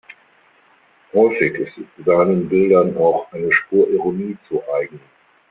Häufig ist seinen Bildern auch eine Spur Ironie zu eigen.